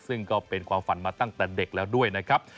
ซึ่งก็เป็นความฝันมาตั้งแต่เด็กแล้วด้วยนะครับ